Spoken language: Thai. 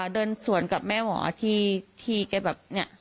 เดินสวนกับแม่หมอที่แกแบบเนี่ย